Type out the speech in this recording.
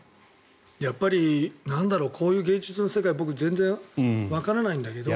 やっぱりこういう芸術の世界僕、全然わからないんだけど。